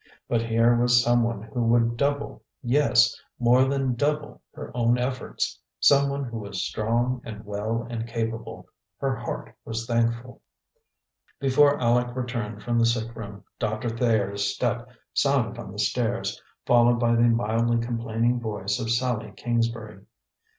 But here was some one who would double, yes, more than double her own efforts; some one who was strong and well and capable. Her heart was thankful. Before Aleck returned from the sick room, Doctor Thayer's step sounded on the stairs, followed by the mildly complaining voice of Sallie Kingsbury.